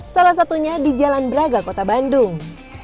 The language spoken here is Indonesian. salah satunya di jalan braga kota bandung